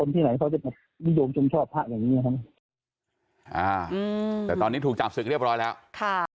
แต่ตอนนี้ถูกจับศึกเรียบร้อยแล้วค่ะ